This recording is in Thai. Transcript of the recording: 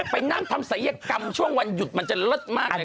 ไปนั่งทำศัยกรรมช่วงวันหยุดมันจะเลิศมากเลย